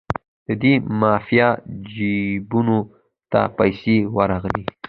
د دې مافیا جیبونو ته پیسې ورغلې.